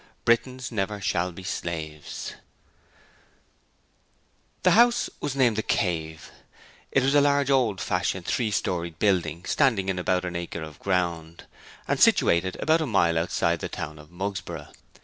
Britons Never shall be Slaves The house was named 'The Cave'. It was a large old fashioned three storied building standing in about an acre of ground, and situated about a mile outside the town of Mugsborough.